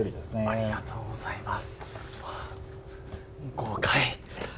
ありがとうございます。